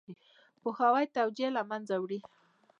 پوهاوی توجیه له منځه وړي.